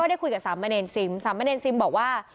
ก็ได้คุยกับสามแม่นซิมสามแม่นซิมบอกว่า